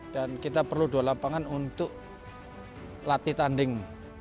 dan kita perlu dua lapangan untuk latih tanding